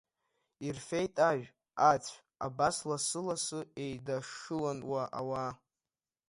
Ирфеит, ажә, ацә, абас лассы-лассы еидашшылон ауаа.